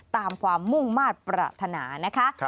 ตามความมุ่งมาตรปรารถนานะคะ